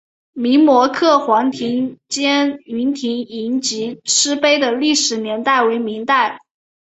明摹刻黄庭坚云亭宴集诗碑的历史年代为明代。